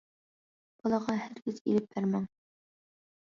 بالىغا ھەرگىز ئىلىپ بەرمەڭ!